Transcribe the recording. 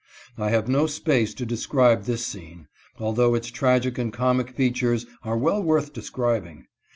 I have no space to describe this scene, although its tragic and comic features are well worth describing.